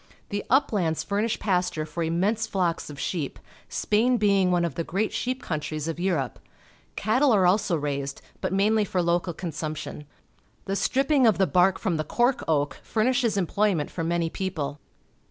The uplands fur nish pasture for immense flocks of sheep, Spain being one of the great sheep countries of Europe. Cattle are also raised, bu fc mainly for local consumption. The strip ping of the bark from the cork oak furnishes employment for many people.